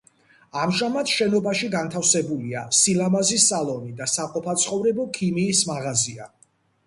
ამჟამად შენობაში განთავსებულია სილამაზის სალონი და საყოფაცხოვრებო ქიმიის მაღაზია.